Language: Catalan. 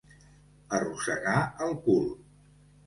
Arrossegar el cul.